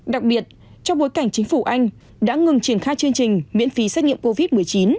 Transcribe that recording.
đặc biệt trong bối cảnh chính phủ anh đã ngừng triển khai chương trình miễn phí xét nghiệm covid một mươi chín